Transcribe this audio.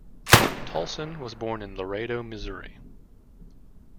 Tolson was born in Laredo, Missouri.